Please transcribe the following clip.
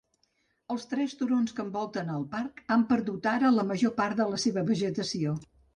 Les tres turons que envolten el parc han perdut ara la major part de la seva vegetació.